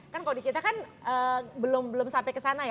kalau di kita kan belum sampai kesana ya